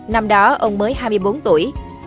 năm đó ông mới hai mươi bốn tuổi